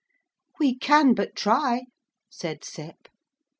'We can but try,' said Sep.